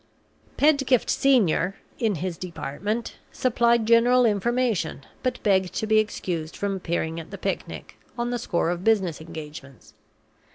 Pedgift Senior (in his department) supplied general information, but begged to be excused from appearing at the picnic, on the score of business engagements.